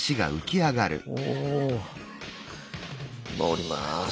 降ります。